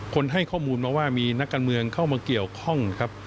ให้ข้อมูลมาว่ามีนักการเมืองเข้ามาเกี่ยวข้องครับ